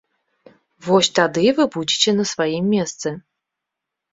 Вось тады вы будзеце на сваім месцы.